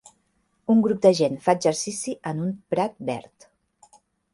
Un grup de gent fa exercici en un prat verd.